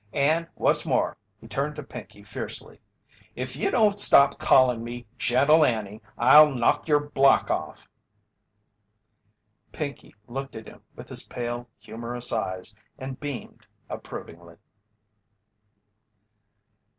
_ And what's more," he turned to Pinkey fiercely, "if you don't stop calling me 'Gentle Annie,' I'll knock your block off!" Pinkey looked at him with his pale, humorous eyes and beamed approvingly.